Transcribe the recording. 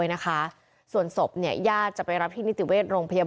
โล่งใจเลย